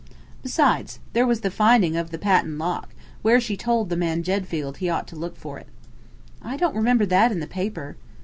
"Besides, there was the finding of the patent lock, where she told the man Jedfield he ought to look for it." "I don't remember that in the paper."